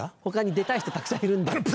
他に出たい人たくさんいるんだ。